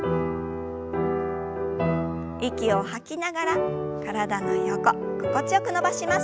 息を吐きながら体の横心地よく伸ばします。